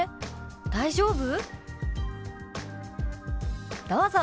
大丈夫？」。